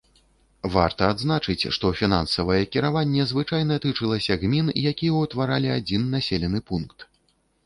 Варта адзначыць, што фінансавае кіраванне звычайна тычылася гмін, якія ўтваралі адзін населены пункт.